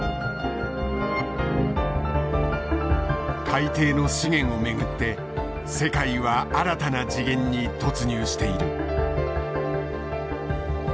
海底の資源をめぐって世界は新たな次元に突入している。